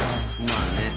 まあね。